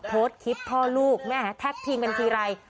โพสต์คลิปพ่อลูกแม่แท็กทีมกันทีไร